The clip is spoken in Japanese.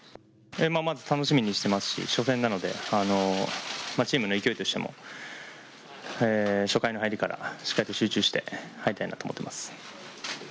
まず楽しみにしてますし、初戦なのでチームの勢いとしても初回の入りからしっかりと集中して入りたいなと思っています。